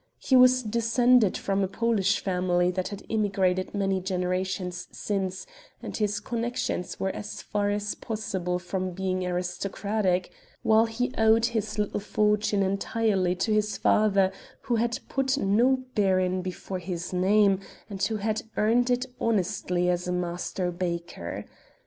He was descended from a Polish family that had immigrated many generations since and his connections were as far as possible from being aristocratic, while he owed his little fortune entirely to his father who had put no 'baron' before his name, and who had earned it honestly as a master baker.